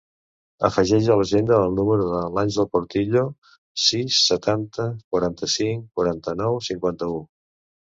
Afegeix a l'agenda el número de l'Àngel Portillo: sis, setanta, quaranta-cinc, quaranta-nou, cinquanta-u.